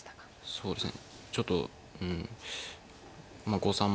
そうですね。